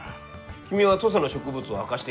君は土佐の植物を明かしてきた。